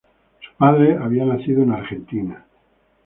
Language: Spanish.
Su padre había nacido en Argentina.